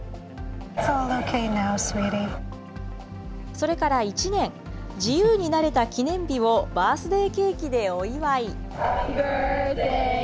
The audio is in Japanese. それから１年、自由になれた記念日をバースデーケーキでお祝い。